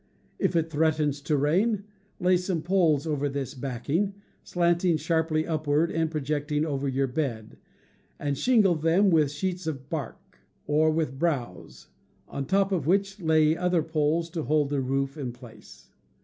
If it threatens to rain, lay some poles over this backing, slanting sharply upward and projecting over your bed, and shingle them with sheets of bark, or with browse, on top of which lay other poles to hold the roof in place.